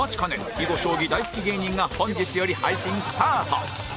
囲碁将棋大好き芸人が本日より配信スタート